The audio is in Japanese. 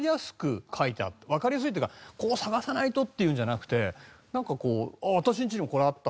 わかりやすいっていうかこう探さないとっていうのじゃなくてなんかこう「私ん家にもこれあった」